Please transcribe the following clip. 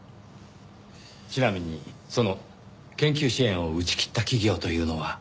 ちなみにその研究支援を打ち切った企業というのは？